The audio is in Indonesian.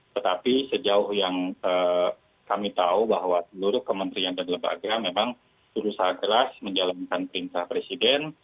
tetapi sejauh yang kami tahu bahwa seluruh kementerian dan lembaga memang berusaha keras menjalankan perintah presiden